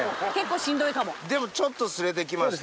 でもちょっとすれてきました。